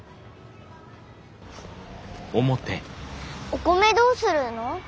お米どうするの？